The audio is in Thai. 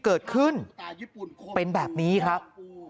เกิดขึ้นเป็นแบบนี้ครับ